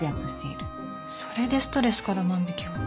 それでストレスから万引を。